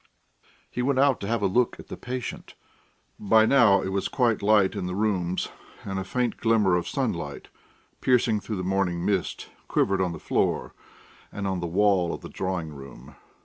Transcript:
He went out to have a look at the patient. By now it was quite light in the rooms, and a faint glimmer of sunlight, piercing through the morning mist, quivered on the floor and on the wall of the drawing room.